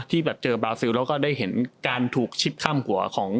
แบบเจอบาซิลแล้วก็ได้เห็นการถูกชิดข้ามหัวของ